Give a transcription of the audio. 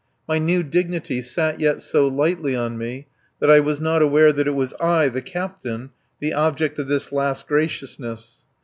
My new dignity sat yet so lightly on me that I was not aware that it was I, the Captain, the object of this last graciousness.